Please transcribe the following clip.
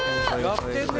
やってるね！